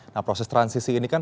nah proses transisi ini kan